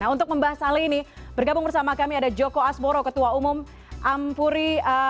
nah untuk membahas hal ini bergabung bersama kami ada joko asboro ketua umum ampuri